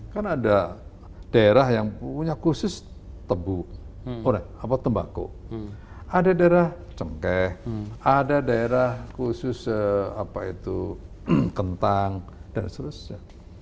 kan ada daerah yang punya khusus tebu tembako ada daerah cengkeh ada daerah khusus apa itu kentang dan seterusnya